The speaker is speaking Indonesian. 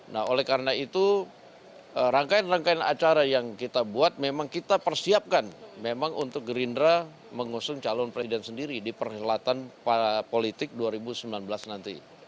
nah oleh karena itu rangkaian rangkaian acara yang kita buat memang kita persiapkan memang untuk gerindra mengusung calon presiden sendiri di perhelatan politik dua ribu sembilan belas nanti